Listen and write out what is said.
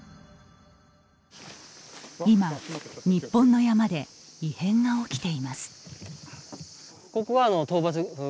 今、日本の山で異変が起きています。